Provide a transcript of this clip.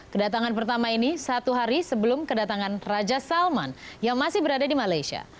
kedatangan pertama ini satu hari sebelum kedatangan raja salman yang masih berada di malaysia